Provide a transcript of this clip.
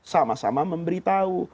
sama sama memberi tahu